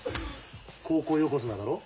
高校横綱だろ。